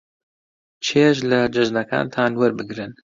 چێژ لە جەژنەکانتان وەربگرن.